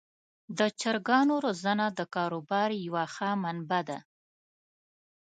د چرګانو روزنه د کاروبار یوه ښه منبع ده.